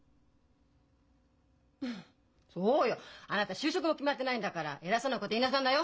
フフッそうよあなた就職も決まってないんだから偉そうなこと言いなさんなよ！